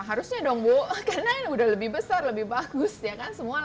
harusnya dong bu karena udah lebih besar lebih bagus ya kan semua